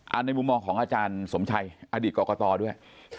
ในมุมมองของอาจารย์สมชัยอดีตกรกตด้วย